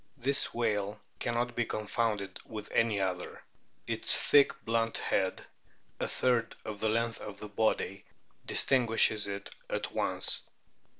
This whale cannot be confounded with any other ; its thick, blunt head, a third of the length of the body, distinguishes it at once.